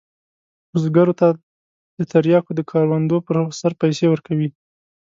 بزګرو ته د تریاکو د کروندو پر سر پیسې ورکوي.